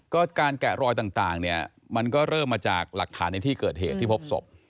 ก็การแกะรอยต่างเนี่ยมันก็เริ่มมาจากหลักฐานในที่เกิดเหตุที่พบศพ